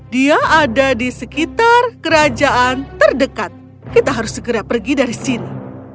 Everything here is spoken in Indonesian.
dia ada di sekitar kerajaan terdekat kita harus segera pergi dari sini